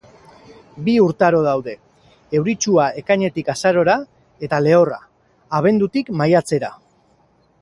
Bi urtaro daude: euritsua ekainetik azarora, eta lehorra, abendutik maiatzera.